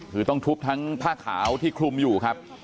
คือต้องทุบทั้งผ้าขาวที่คลุมอยู่ครับ